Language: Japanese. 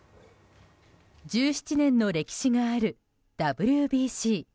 １７年の歴史があるＷＢＣ。